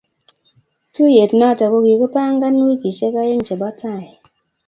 Tuyet nato kokikipangana wikishek aeng chebotai.